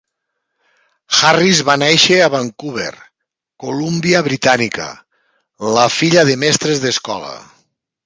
Harris va nàixer a Vancouver, Columbia Britànica, la filla de mestres d'escola.